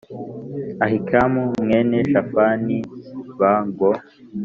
Ahikamu a mwene Shafani b ngo